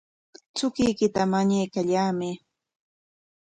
Chukuykita mañaykallamay.